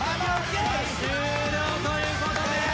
終了ということで。